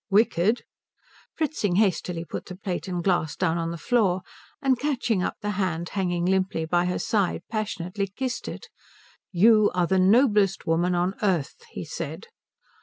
"Wicked?" Fritzing hastily put the plate and glass down on the floor, and catching up the hand hanging limply by her side passionately kissed it. "You are the noblest woman on earth," he said.